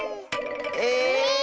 え⁉